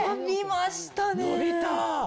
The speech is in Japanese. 伸びた。